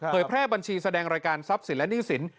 แพร่บัญชีแสดงรายการทรัพย์สินและหนี้สิน